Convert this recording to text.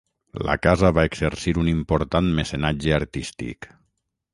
La casa va exercir un important mecenatge artístic.